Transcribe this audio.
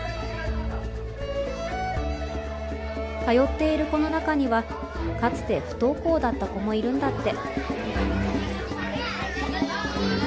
通っている子の中にはかつて不登校だった子もいるんだって。